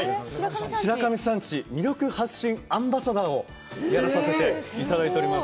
白神山地魅力発信アンバサダーをやらさせて頂いております